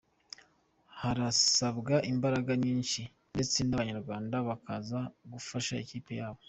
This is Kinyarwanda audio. Harasabwa imbaraga nyinshi ndetse n’Abanyarwanda bakaza gufasha ikipe yabo.